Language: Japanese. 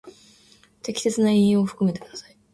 適切な引用を含めてください。